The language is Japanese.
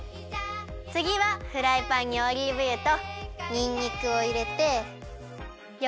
つぎはフライパンにオリーブ油とにんにくをいれてよ